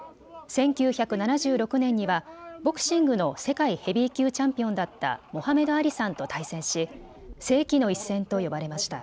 １９７６年にはボクシングの世界ヘビー級チャンピオンだったモハメド・アリさんと対戦し世紀の一戦と呼ばれました。